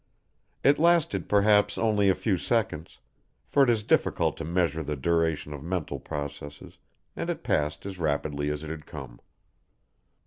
It lasted perhaps, only a few seconds, for it is difficult to measure the duration of mental processes, and it passed as rapidly as it had come.